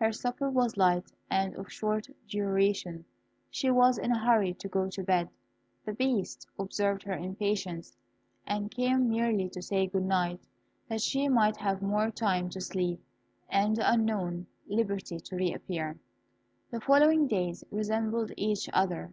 Her supper was light and of short duration; she was in a hurry to go to bed. The Beast observed her impatience, and came merely to say good night, that she might have more time to sleep and the Unknown liberty to reappear. The following days resembled each other.